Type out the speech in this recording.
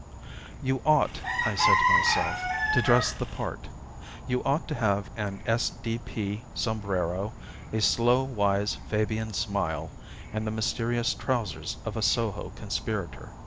"You ought," I said to myself, "to dress the part. You ought to have an S.D.P. sombrero, a slow wise Fabian smile, and the mysterious trousers of a Soho conspirator."